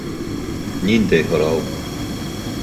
Ниндәй һорау?